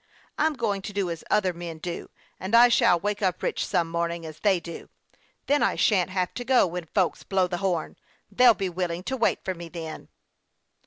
I'm going to do as other men do ; and I shall wake up rich some morning, as they do. Then I shan't have to go when, folks blow the horn. They'll be willing to wait for me then."